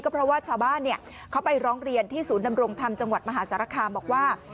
เพราะว่าชาวบ้านเขาไปร้องเรียนที่ศูนย์ดำรงธรรมจังหวัดมหาสารคามบอกว่า